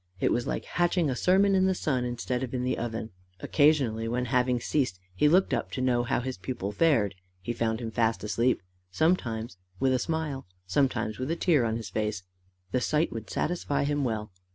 It was like hatching a sermon in the sun instead of in the oven. Occasionally, when, having ceased, he looked up to know how his pupil fared, he found him fast asleep sometimes with a smile, sometimes with a tear on his face. The sight would satisfy him well.